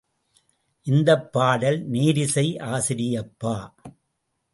இந்தப் பாடல் நேரிசை ஆசிரியப்பா.